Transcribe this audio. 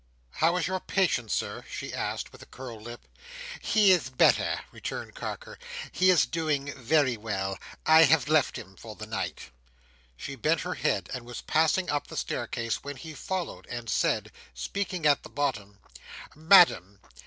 "How is your patient, Sir?" she asked, with a curled lip. "He is better," returned Carker. "He is doing very well. I have left him for the night." She bent her head, and was passing up the staircase, when he followed and said, speaking at the bottom: "Madam!